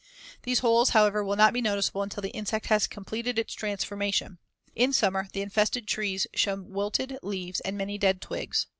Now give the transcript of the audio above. These holes, however, will not be noticeable until the insect has completed its transformation. In summer, the infested trees show wilted leaves and many dead twigs.